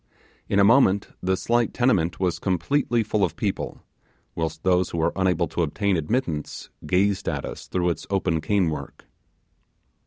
In a moment the slight tenement was completely full of people, whilst those who were unable to obtain admittance gazed at us through its open cane work.